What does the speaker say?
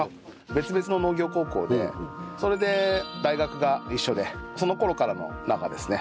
別々の農業高校でそれで大学が一緒でその頃からの仲ですね。